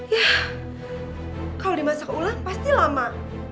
ya kalau dimasak ulang pasti lama